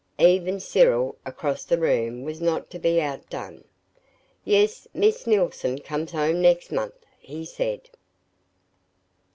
Even Cyril across the room was not to be outdone. "Yes. Miss Neilson comes home next month," he said.